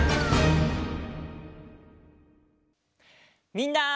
みんな。